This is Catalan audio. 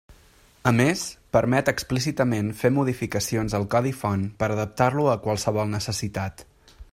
A més, permet explícitament fer modificacions al codi font per adaptar-lo a qualsevol necessitat.